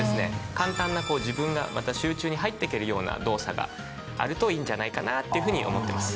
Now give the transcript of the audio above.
簡単な自分がまた集中に入っていけるような動作があるといいんじゃないかなっていうふうに思ってます。